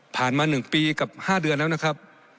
ผ่านมาหนึ่งปีกับห้าเดือนแล้วนะครับ